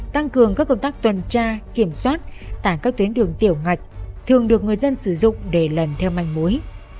tăng cường các công tác tuần tra kiểm soát tại các tuyến đường tiểu ngạch thường được người dân sử dụng để lần theo manh mối